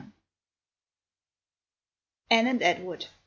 ] ANNE AND EDWARD.